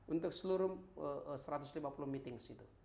untuk seluruh satu ratus lima puluh meeting situ